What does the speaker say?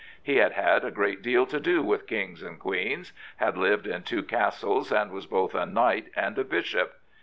He had had a great deal to do with kings and queens, had lived in two castles, and was both a knight and a bishop.